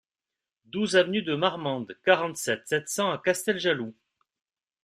douze avenue de Marmande, quarante-sept, sept cents à Casteljaloux